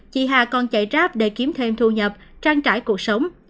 chị hà còn chạy ráp để kiếm thêm thu nhập trang trải cuộc sống